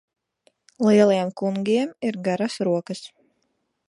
Lieliem kungiem ir garas rokas.